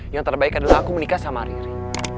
yang terbaik adalah aku menikah sama riri